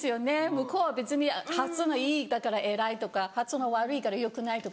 向こうは別に発音がいいだから偉いとか発音が悪いから良くないとか。